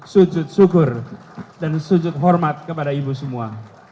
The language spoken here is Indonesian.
sujud syukur dan sujud hormat kepada ibu semua